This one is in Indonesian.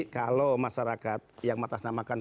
kalau masyarakat yang matas namakan